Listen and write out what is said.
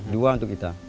dua untuk kita